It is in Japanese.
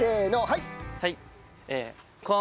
はい。